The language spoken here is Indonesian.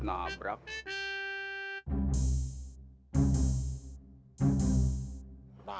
tahan wian sepatuhnya